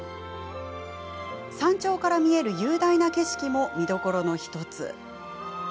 山頂から見える雄大な景色も見どころの１つ。